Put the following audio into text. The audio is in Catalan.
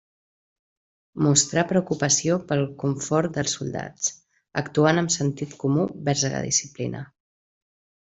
Mostrà preocupació pel confort dels soldats, actuant amb sentit comú vers a la disciplina.